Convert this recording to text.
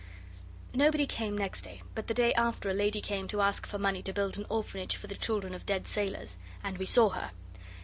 Nobody came next day, but the day after a lady came to ask for money to build an orphanage for the children of dead sailors. And we saw her.